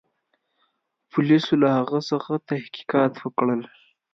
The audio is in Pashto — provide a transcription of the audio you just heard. پولیسو له هغه څخه تحقیقات وکړل.